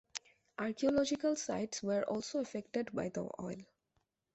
Archeological sites were also affected by the oil.